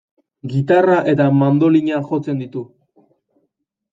Gitarra eta mandolina jotzen ditu.